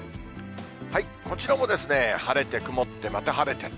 こちらも晴れて曇ってまた晴れて。